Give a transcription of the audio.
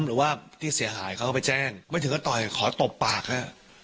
หรือว่าที่เสียหายเขาก็ไปแจ้งไม่ถึงก็ต่อยขอตบปากฮะ